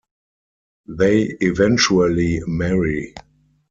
They eventually marry.